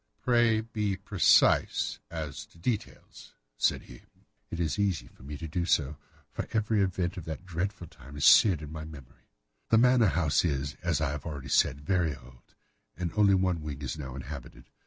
"Pray be precise as to details," said he. "It is easy for me to be so, for every event of that dreadful time is seared into my memory. The manor house is, as I have already said, very old, and only one wing is now inhabited.